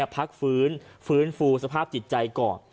พักฟื้นฟื้นฟูสภาพจิตใจก่อน